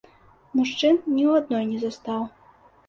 Мужчын ні ў адной не застаў.